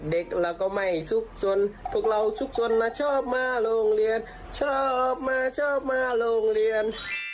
เด็กเราก็ไม่ซุกสนพวกเราซุกสนมาชอบมาโรงเรียนชอบมาชอบมาโรงเรียน